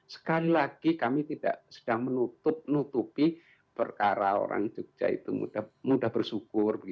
sekali lagi kami tidak sedang menutup nutupi perkara orang jogja itu mudah bersyukur